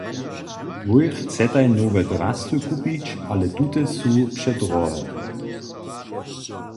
Wój chcetaj nowe drasty kupić, ale tute su předrohe.